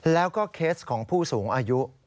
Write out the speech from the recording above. แล้วก็เคสของผู้สูงอายุ